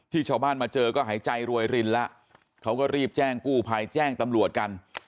ชาวบ้านมาเจอก็หายใจรวยรินแล้วเขาก็รีบแจ้งกู้ภัยแจ้งตำรวจกัน